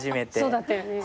そうだったよね。